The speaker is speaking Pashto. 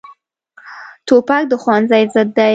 توپک د ښوونځي ضد دی.